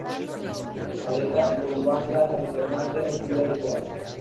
Aletas con bandas alternantes oscuras y claras.